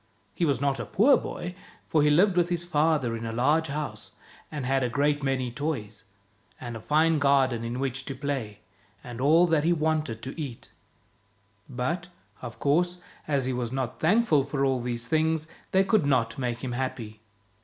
He was not a poor boy, for he lived with his father in a large house, and had a great many toys, and a fine garden in which to play, and all that he wanted to eat. 62 THE BOY WHO WENT OUT OF THE WORLD But, of course, as he was not thankful for all these things, they could not make him happy.